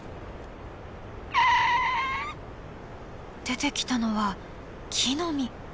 出てきたのは木の実。